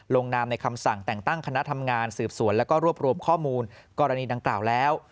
ลงนามในคำสั่งแต่งตั้งคณะทำงานสืบสวนแล้วก็รวบรวมข้อมูลกรณีดังกล่าวแล้ว